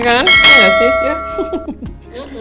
eh kenapa itu